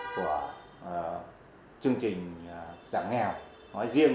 của chương trình giảm nghèo nói riêng